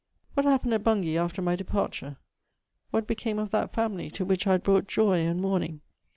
* What happened at Bungay after my departure? What became of that family to which I had brought joy and mourning?